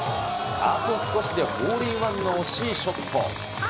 あと少しでホールインワンの惜しいショット。